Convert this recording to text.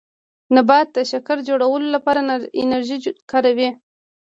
نبات د شکر جوړولو لپاره انرژي کاروي